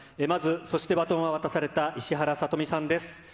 まず、そして、バトンは渡されたの石原さとみさんです。